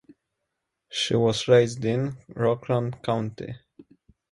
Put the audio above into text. She was raised in Rockland County.